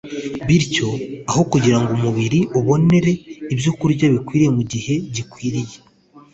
bityo, aho kugira ngo umubiri ubonere ibyokurya bikwiriye ku gihe gikwiriye